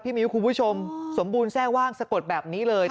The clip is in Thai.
มิ้วคุณผู้ชมสมบูรณแทร่ว่างสะกดแบบนี้เลย